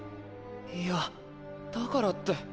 いやだからって。